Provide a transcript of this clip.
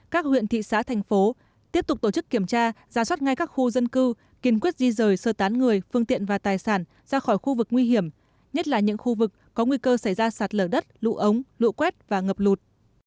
các huyện thị xã thành phố tiếp tục tổ chức kiểm tra giả soát ngay các khu dân cư kiên quyết di rời sơ tán người phương tiện và tài sản ra khỏi khu vực nguy hiểm nhất là những khu vực có nguy cơ xảy ra sạt lở đất lũ ống lũ quét và ngập lụt